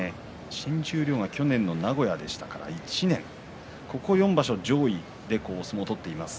新十両は去年の名古屋でしたから１年ここ４場所、上位で相撲を取っています。